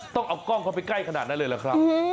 ต้องเอากล้องเข้าไปใกล้ขนาดนั้นเลยเหรอครับ